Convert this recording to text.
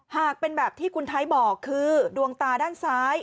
หากเป็นแบบที่คุณไทยบอกคือดวงตาด้านซ้าย